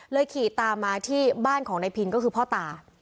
ขี่ตามมาที่บ้านของนายพินก็คือพ่อตา